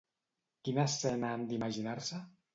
Quina escena han d'imaginar-se?